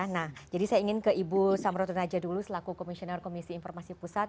nah jadi saya ingin ke ibu samrotunaja dulu selaku komisioner komisi informasi pusat